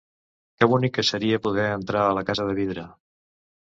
Que bonic que seria poder entrar a la casa de vidre!